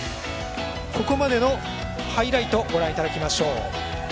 ここまでのハイライトご覧いただきましょう。